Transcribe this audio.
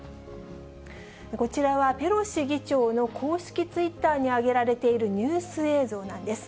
こちらは、ペロシ議長の公式ツイッターに上げられているニュース映像なんです。